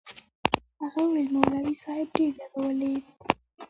هغه وويل مولوي صاحب ډېر يادولې.